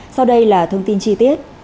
sau đây là thông tin chi tiết